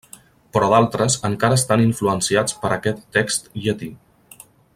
Però d'altres, encara estan influenciats per aquest text llatí.